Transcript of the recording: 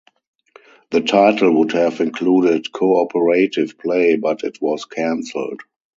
The title would have included cooperative play but it was cancelled.